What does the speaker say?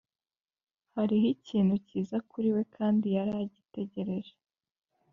hariho ikintu kiza kuri we kandi yari agitegereje,